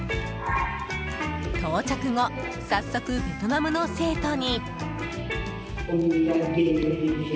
到着後、早速ベトナムの生徒に。